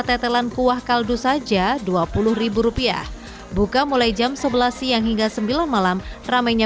tetelan kuah kaldu saja dua puluh rupiah buka mulai jam sebelas siang hingga sembilan malam ramainya